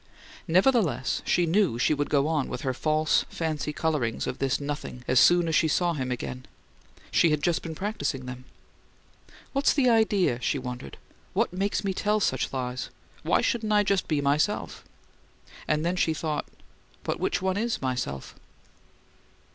Nevertheless, she knew she would go on with her false, fancy colourings of this nothing as soon as she saw him again; she had just been practicing them. "What's the idea?" she wondered. "What makes me tell such lies? Why shouldn't I be just myself?" And then she thought, "But which one is myself?"